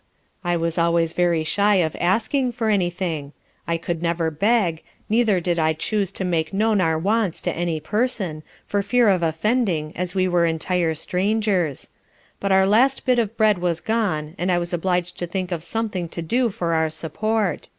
I was always very shy of asking for any thing; I could never beg; neither did I chuse to make known our wants to any person, for fear of offending as we were entire strangers; but our last bit of bread was gone, and I was obliged to think of something to do for our support.